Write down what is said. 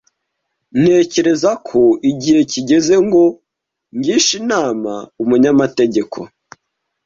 Ntekereza ko igihe kigeze ngo ngishe inama umunyamategeko.